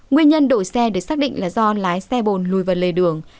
nguyên nhân đổi xe được xác định là do lái xe bồn lùi vào lề đường